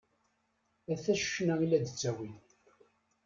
Ata ccna i la d-ttawin.